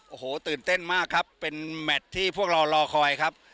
โอ้โหตื่นเต้นมากครับเป็นแมทที่พวกเรารอคอยครับ